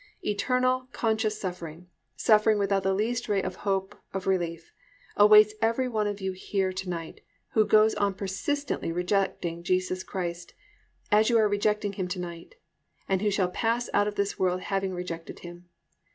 Eternal, conscious suffering, suffering without the least ray of hope of relief, awaits every one of you here to night who goes on persistently rejecting Jesus Christ, as you are rejecting Him to night, and who shall pass out of this world having rejected Him.